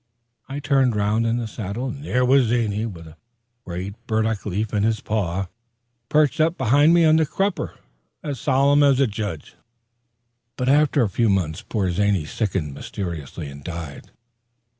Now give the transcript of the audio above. I turned round in the saddle, and there was Zany, with a great burdock leaf in his paw, perched up behind me on the crupper, as solemn as a judge. After a few months, poor Zany sickened mysteriously, and died.